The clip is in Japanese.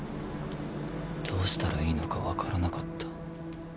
どうしたらいいのかわからなかった。